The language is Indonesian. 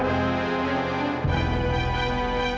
irgendwas akan jauh udah